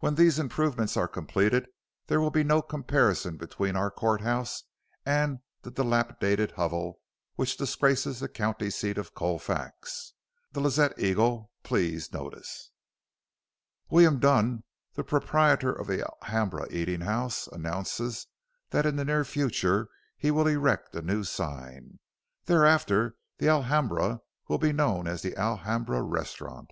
When these improvements are completed there will be no comparison between our court house and the dilapidated hovel which disgraces the county seat of Colfax. The Lazette Eagle please notice. William Dunn, the proprietor of the Alhambra eating house, announces that in the near future he will erect a new sign. Thereafter the Alhambra will be known as the Alhambra Restaurant.